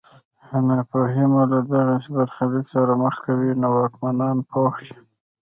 که ناپوهي مو له دغسې برخلیک سره مخ کوي نو واکمنان پوه شي.